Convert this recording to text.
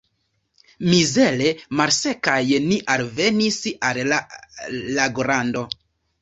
Mizere malsekaj ni alvenis al la lagorando.